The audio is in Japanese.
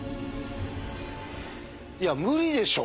いや無理でしょ！